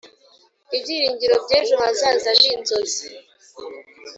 ibyiringiro by'ejo hazaza n'inzozi